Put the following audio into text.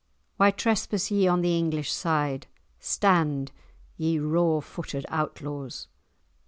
"Why trespass ye on the English side? Stand! ye raw footed outlaws!"